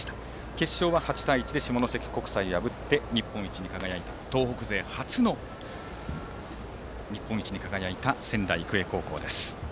決勝は８対１で下関国際を破って東北勢初の日本一に輝いた仙台育英です。